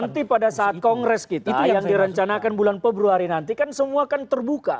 nanti pada saat kongres kita itu yang direncanakan bulan februari nanti kan semua kan terbuka